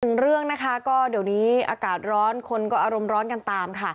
หนึ่งเรื่องนะคะก็เดี๋ยวนี้อากาศร้อนคนก็อารมณ์ร้อนกันตามค่ะ